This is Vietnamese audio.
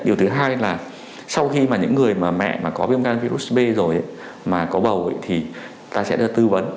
điều thứ hai là sau khi mà những người mà mẹ mà có viêm gan virus b rồi mà có bầu thì ta sẽ tư vấn